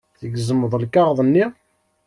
Tgezmeḍ lkaɣeḍ-nni?